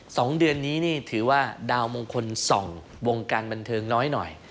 สองเดือนนี้นี่ถือว่าดาวมงคล๒วงการบันเทิงน้อย